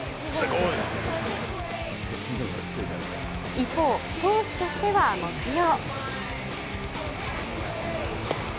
一方、投手としては木曜。